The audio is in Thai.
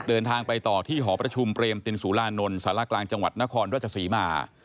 เดินทางไปต่อที่หอประชุมเปรมตินสุรานนท์สารกลางจังหวัดนครราชศรีมา